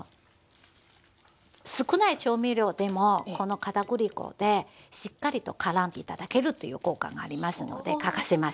少ない調味料でもこの片栗粉でしっかりとからんで頂けるという効果がありますので欠かせません。